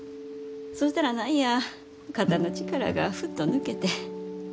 そしたら何や肩の力がフッと抜けて。